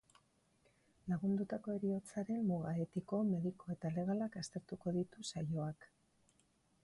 Lagundutako heriotzaren muga etiko, mediko eta legalak aztertuko ditu saioak.